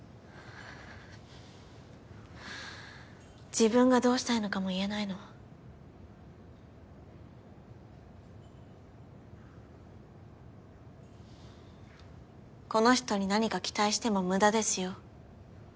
自分がどうしたいのかも言えないのこの人に何か期待してもむだですよ